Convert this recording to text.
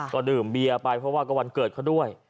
ก็ดื่มเบียร์ไปเพราะว่าก็วันเกิดเขาด้วย